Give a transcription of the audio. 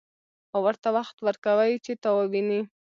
او ورته وخت ورکوي چې تا وويني.